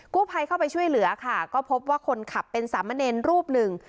กู้ภัยเข้าไปช่วยเหลือค่ะก็พบว่าคนขับเป็นสามเณรรูปหนึ่ง